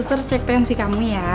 sister cek pensi kamu ya